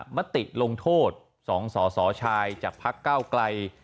มะติลงโทษ๒สวสยจากพักก้าวไกล